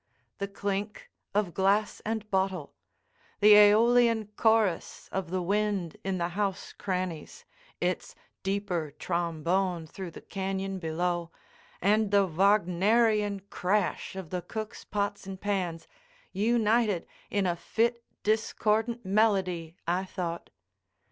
The clink of glass and bottle, the aeolian chorus of the wind in the house crannies, its deeper trombone through the cañon below, and the Wagnerian crash of the cook's pots and pans, united in a fit, discordant melody, I thought.